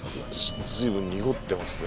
随分濁ってますね